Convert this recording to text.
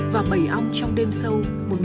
và mầy ong trong đêm sâu